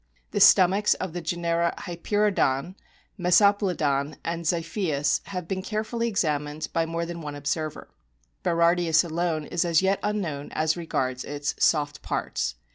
The stomachs of the genera Hyperoodon, Meso plodon, and Zip/tins have been carefully examined by more than one observer.* Berardius alone is as yet unknown as regards its "soft parts."